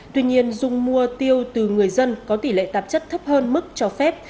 tuy nhiên dung mua tiêu từ người dân có tỷ lệ tạp chất thấp hơn mức cho phép